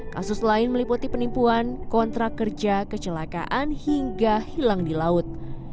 kasus lain meliputi penipuan kontrak kerja kecelakaan hingga hilang di laut